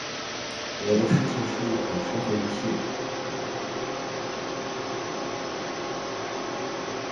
《我的世界》是一款沙盒游戏。